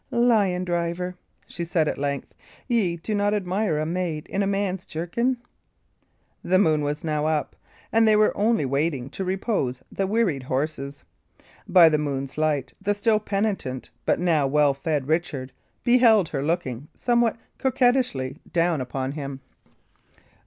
"Lion driver," she said, at length, "ye do not admire a maid in a man's jerkin?" The moon was now up; and they were only waiting to repose the wearied horses. By the moon's light, the still penitent but now well fed Richard beheld her looking somewhat coquettishly down upon him.